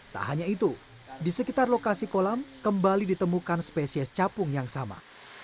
tak hanya itu di sekitar lokasi kolam kembali ditemukan spesies capung yang sama